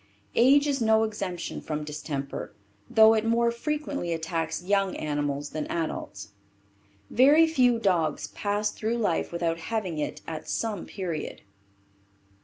Age is no exemption from distemper, though it more frequently attacks young animals than adults. Very few dogs pass through life without having it at some period.